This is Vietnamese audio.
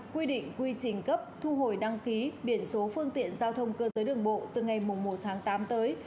quy định quy trình cấp thu hồi đăng ký biển số phương tiện giao thông cơ giới đường bộ từ ngày một tháng tám tới